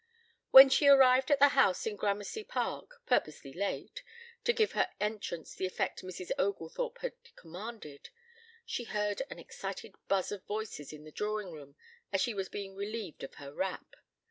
When she arrived at the house in Gramercy Park, purposely late, to give her entrance the effect Mrs. Oglethorpe had commanded, she heard an excited buzz of voices in the drawing room as she was being relieved of her wrap.